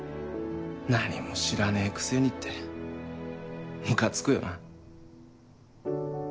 何も知らねえくせにってムカつくよな。